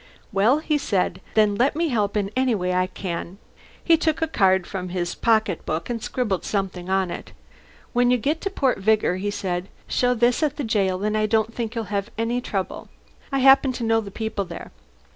"Well," he said, "then let me help in any way I can." He took a card from his pocket book and scribbled something on it. "When you get to Port Vigor," he said, "show this at the jail and I don't think you'll have any trouble. I happen to know the people there."